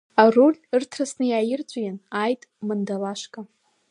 Аруль ырҭрысны иааирҵәин, ааит, мандалашка!